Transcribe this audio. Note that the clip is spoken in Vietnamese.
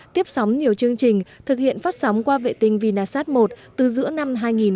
tiếp sóng nhiều chương trình thực hiện phát sóng qua vệ tinh vinasat một từ giữa năm hai nghìn một mươi